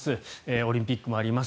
オリンピックもあります